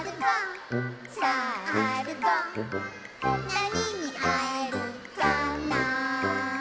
「なににあえるかな」